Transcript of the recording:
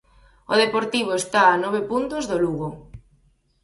O Deportivo está a nove puntos do Lugo.